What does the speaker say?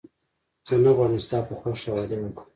زه نه غواړم ستا په خوښه واده وکړم